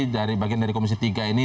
dari bagian dari komisi tiga ini